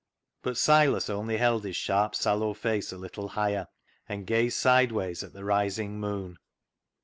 But Silas only held his sharp, sallow face a little higher, and gazed sideways at the rising moon.